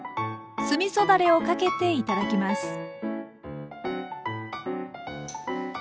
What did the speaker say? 酢みそだれをかけて頂きます。